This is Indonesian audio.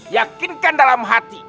yakinkan dalam hati